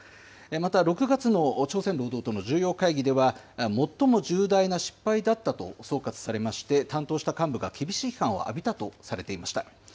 また６月の朝鮮労働党の重要会議では、最も重大な失敗だったと総括されまして、担当した幹部が厳しい批判を浴びたとされていました。